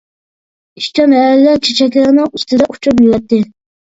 ئىشچان ھەرىلەر چېچەكلەرنىڭ ئۈستىدە ئۇچۇپ يۈرەتتى.